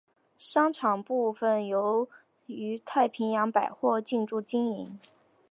商场部份则由太平洋百货进驻经营。